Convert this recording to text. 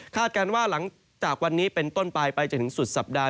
การว่าหลังจากวันนี้เป็นต้นปลายไปจนถึงสุดสัปดาห